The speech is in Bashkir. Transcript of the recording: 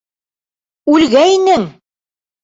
Үлгәйнең!